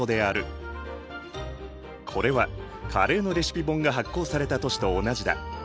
これはカレーのレシピ本が発行された年と同じだ。